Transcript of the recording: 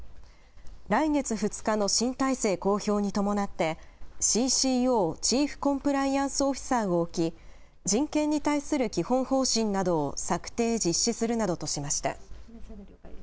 来月２日の新体制公表に伴って、ＣＣＯ・チーフコンプライアンスオフィサーを置き、人権に対する基本方針などを策定、実施するなどとしました。